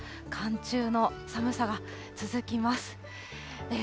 寒中の寒さが続きます。